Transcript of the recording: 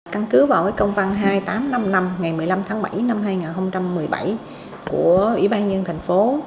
căn cứ vào công văn hai nghìn tám trăm năm mươi năm ngày một mươi năm tháng bảy năm hai nghìn một mươi bảy của ủy ban nhân thành phố